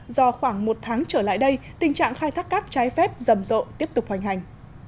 do khoảng một tháng trở lại đây tình trạng khai thác cát trái phép rầm rộ tiếp tục hoành hành